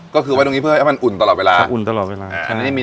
ก็คือไว้ตรงนี้เพื่อให้มันอุ่นตลอดเวลาอุ่นตลอดเวลา